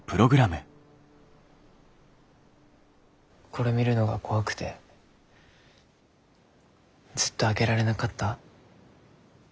これ見るのが怖くてずっと開けられなかった？